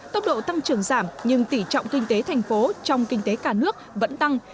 tốc độ tăng trưởng giảm nhưng tỉ trọng kinh tế thành phố trong kinh tế cả nước vẫn tăng